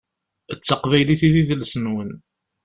D taqbylit i d idles-nwen.